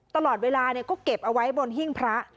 ตลอดเวลาก็เก็บเอาไว้บนหิ้งพระ